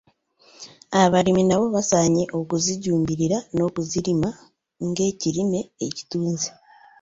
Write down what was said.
Abalimi nabo basaanye okuzijjumbira n’okuzirima ng’ekirime eky’ettunzi.